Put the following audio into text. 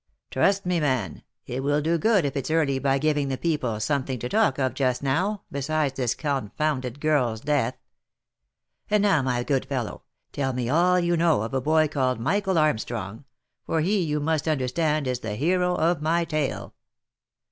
Trust me, man, it will do good if it's only by giving the people something to talk of just now, besides this confounded girl's death. And now, my good fellow, tell me all you know of a boy called Michael Armstrong, for he you must un derstand, is the hero of my tale."